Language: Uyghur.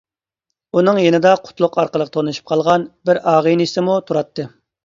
ئۇنىڭ يېنىدا قۇتلۇق ئارقىلىق تونۇشۇپ قالغان بىر ئاغىنىسىمۇ تۇراتتى.